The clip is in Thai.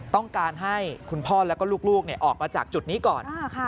ต้องการให้คุณพ่อแล้วก็ลูกออกมาจากจุดนี้ก่อน